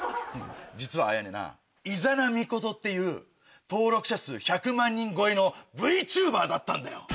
実は綾音な伊邪那ミコトっていう登録者数１００万人超えのＶＴｕｂｅｒだったんだよ！